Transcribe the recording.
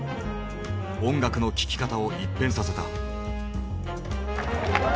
音楽の聴き方を一変させた。